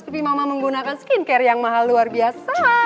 seperti mamah menggunakan skincare yang mahal luar biasa